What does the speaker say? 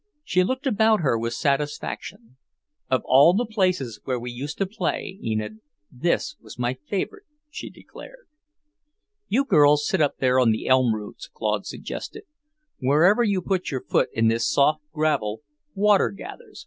She looked around her with satisfaction. "Of all the places where we used to play, Enid, this was my favourite," she declared. "You girls sit up there on the elm roots," Claude suggested. "Wherever you put your foot in this soft gravel, water gathers.